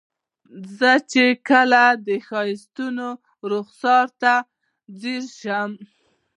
زه چې کله د ښایستونو رخسار ته ځیر شم.